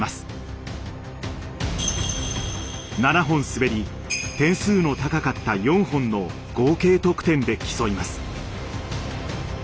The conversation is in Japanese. ７本滑り点数の高かった４本の合計得点で競います。